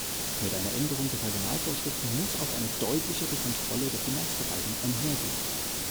Mit einer Änderung der Personalvorschriften muss auch eine deutlichere Kontrolle der Finanzverwaltung einhergehen.